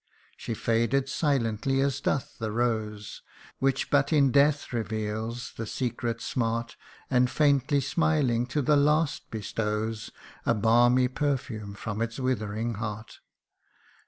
She faded silently as doth the rose, Which but in death reveals the secret smart, And faintly smiling, to the last bestows A balmy perfume from its withering heart.